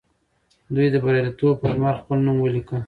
دوی د بریالیتوب پر لمر خپل نوم ولیکه.